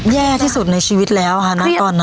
แย่ที่สุดในชีวิตแล้วค่ะณตอนนั้น